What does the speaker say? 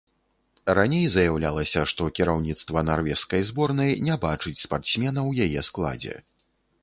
Раней заяўлялася, што кіраўніцтва нарвежскай зборнай не бачыць спартсмена ў яе складзе.